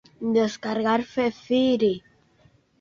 El escudo del municipio muestra así un caballo.